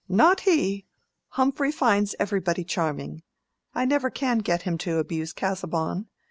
"Not he! Humphrey finds everybody charming. I never can get him to abuse Casaubon.